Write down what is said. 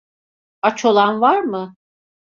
Aç olan var mı?